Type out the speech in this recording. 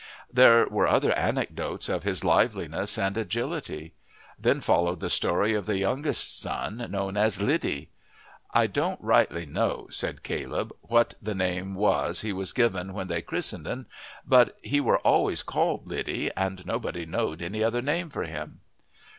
There were other anecdotes of his liveliness and agility. Then followed the story of the youngest son, known as Liddy. "I don't rightly know," said Caleb, "what the name was he was given when they christened 'n; but he were always called Liddy, and nobody knowed any other name for him."